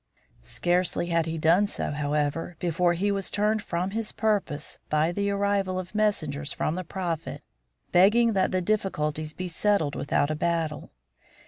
Scarcely had he done so, however, before he was turned from his purpose by the arrival of messengers from the Prophet begging that the difficulties be settled without a battle.